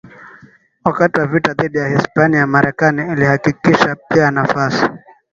Wakati wa vita dhidi ya Hispania Marekani ilihakikisha pia nafasi